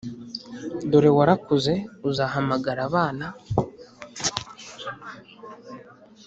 dore warakuze! uzahamagara abana